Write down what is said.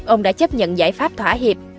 ông đã chấp nhận giải pháp thỏa hiệp